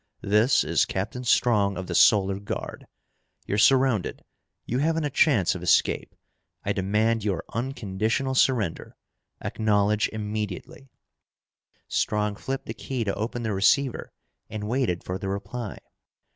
"This is Captain Strong of the Solar Guard! You're surrounded. You haven't a chance of escape. I demand your unconditional surrender! Acknowledge immediately!" Strong flipped the key to open the receiver and waited for the reply.